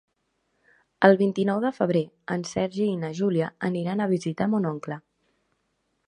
El vint-i-nou de febrer en Sergi i na Júlia aniran a visitar mon oncle.